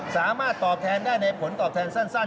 สามารถตอบแทนได้ในผลตอบแทนสั้น